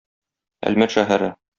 Әлмәт шәһәре.